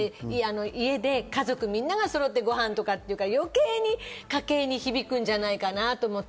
家で家族みんながそろってご飯とか、余計に家計に響くんじゃないかなと思って。